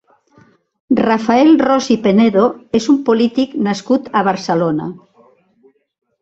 Rafael Ros i Penedo és un polític nascut a Barcelona.